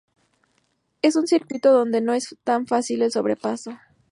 Es un circuito donde no es tan fácil el sobrepaso.